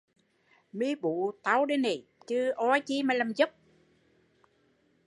Mi bú cặt tau đây nì chứ oai chi mà làm dốc